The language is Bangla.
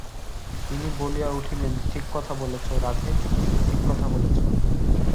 তিনি বলিয়া উঠিলেন, ঠিক কথা বলেছ, রাধে, ঠিক কথা বলেছ।